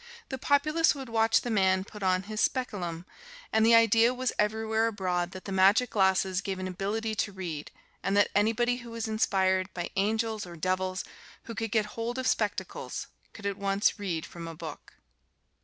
The populace would watch the man put on his "specillum," and the idea was everywhere abroad that the magic glasses gave an ability to read; and that anybody who was inspired by angels, or devils, who could get hold of spectacles, could at once read from a book.